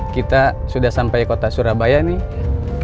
kita sudah sampai kota surabaya nih